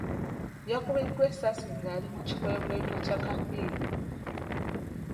Yakubiddwa essasi nga ali mu kikwekweto kya kafiyu.